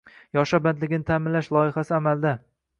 Yoshlar bandligini ta’minlash loyihasi – amaldang